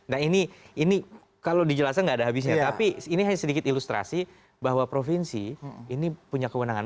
nah ini kalau dijelaskan nggak ada habisnya tapi ini hanya sedikit ilustrasi bahwa provinsi ini punya kewenangan